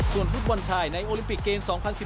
ส่วนฟุตบอลชายในโอลิมปิกเกม๒๐๑๘